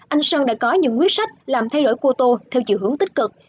anh sơn đã có những quyết sách làm thay đổi cô tô theo chiều hướng tích cực